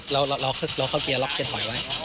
เราเข้าเกียร์ล็อกเก็ตหอยไว้